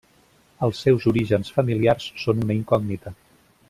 Els seus orígens familiars són una incògnita.